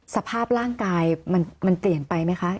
สภาพร่างกายมันเปลี่ยนไปไหมคะ